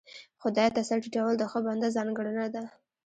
خدای ته سر ټيټول د ښه بنده ځانګړنه ده.